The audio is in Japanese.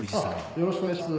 よろしくお願いします。